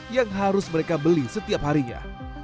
yang harus mereka beli setiap harinya